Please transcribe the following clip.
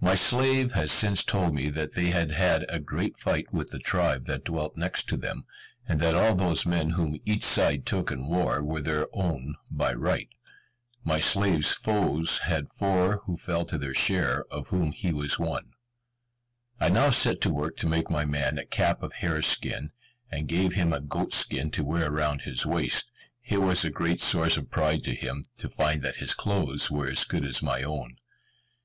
My slave has since told me that they had had a great fight with the tribe that dwelt next to them; and that all those men whom each side took in war were their own by right. My slave's foes had four who fell to their share, of whom he was one. I now set to work to make my man a cap of hare's skin, and gave him a goat's skin to wear round his waist. It was a great source of pride to him, to find that his clothes were as good as my own.